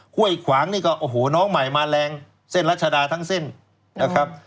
ห้วยขวางนี่ก็โอ้โหน้องใหม่มาแรงเส้นรัชดาทั้งเส้นนะครับ